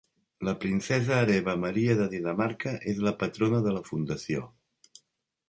La princesa hereva Maria de Dinamarca és la patrona de la fundació.